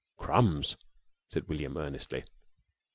"Crumbs!" said William, earnestly.